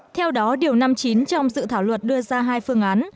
theo đó điều năm mươi chín trong dự thảo luật đưa ra hai phương án